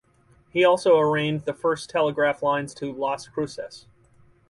He also arraigned the first telegraph lines to Las Cruces.